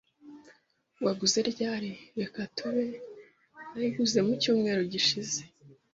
"Waguze ryari?" "Reka turebe. Nayiguze mu cyumweru gishize."